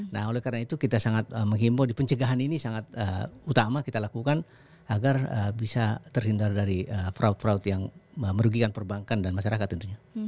nah oleh karena itu kita sangat menghimbau di pencegahan ini sangat utama kita lakukan agar bisa tersindar dari fraud fraud yang berlaku